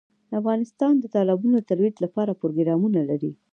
افغانستان د تالابونو د ترویج لپاره پروګرامونه لري.